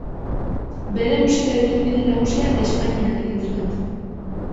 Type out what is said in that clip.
Bere musika-ibilbide nagusia Espainian egin zuen.